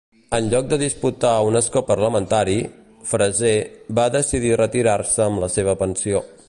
En lloc de disputar un escó parlamentari, Fraser va decidir retirar-se amb la seva pensió.